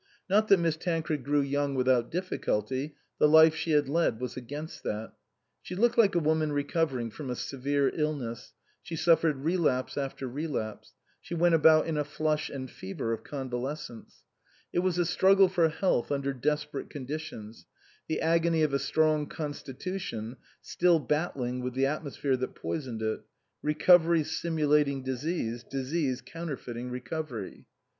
Not that Miss Tancred grew young without difficulty ; the life she had led was against that. She looked like a woman recovering from a severe illness, she suffered relapse after relapse, she went about in a flush and fever of con valescence ; it was a struggle for health under desperate conditions, the agony of a strong con stitution still battling with the atmosphere that poisoned it, recovery simulating disease, disease counterfeiting recovery.